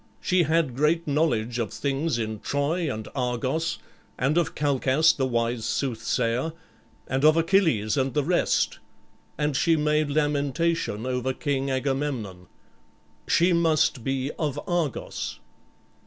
She had great knowledge of things in Troy and Argos, and of Calchas the wise soothsayer, and of Achilles and the rest. And she made lamentation over King Agamemnon. She must be of Argos."